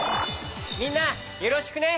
みんなよろしくね。